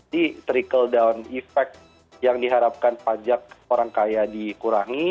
di trickle down effect yang diharapkan pajak orang kaya dikurangi